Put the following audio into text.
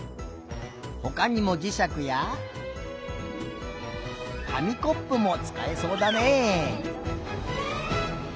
ほかにもじしゃくや紙コップもつかえそうだねえ。